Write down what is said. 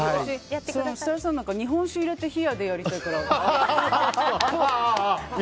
設楽さんの、日本酒を入れて冷やでやりたいから。